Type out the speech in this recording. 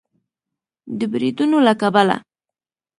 د بریدونو له کبله